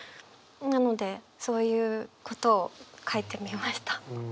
なのでそういうことを書いてみました。